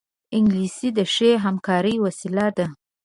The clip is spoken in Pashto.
انګلیسي د ښې همکارۍ وسیله ده